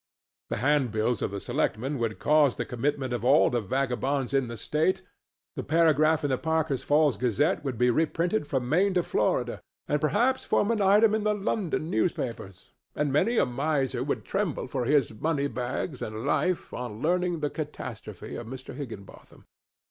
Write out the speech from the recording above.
The handbills of the selectmen would cause the commitment of all the vagabonds in the State, the paragraph in the Parker's Falls Gazette would be reprinted from Maine to Florida, and perhaps form an item in the London newspapers, and many a miser would tremble for his moneybags and life on learning the catastrophe of Mr. Higginbotham.